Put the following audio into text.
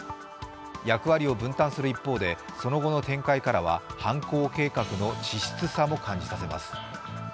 役割を分担する一方で、その後の展開からは、犯行計画の稚拙さも感じさせます。